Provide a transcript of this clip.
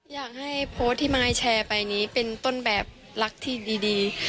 อยากให้โพสต์ที่มายแชร์ไปนี้เป็นต้นแบบรักที่ดี